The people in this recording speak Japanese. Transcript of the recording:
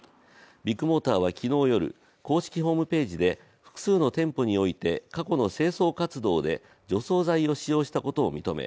ビッグモーターは昨日夜、公式ホームページで複数の店舗に置いて過去の清掃活動で除草剤を使用したことを認め